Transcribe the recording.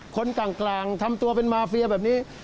คนกลางทำตัวเป็นมาเฟียแบบนี้